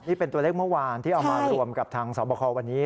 นี่เป็นตัวเลขเมื่อวานที่เอามารวมกับทางสอบคอวันนี้